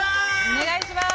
お願いします。